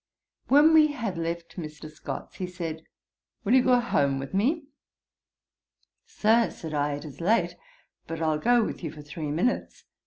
When we had left Mr. Scott's, he said, 'Will you go home with me?' 'Sir, (said I,) it is late; but I'll go with you for three minutes.'